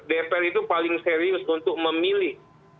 dpr itu paling serius untuk memilih